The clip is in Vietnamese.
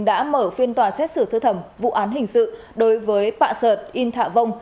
đã mở phiên tòa xét xử sửa thẩm vụ án hình sự đối với bạ sợt yên thạ vông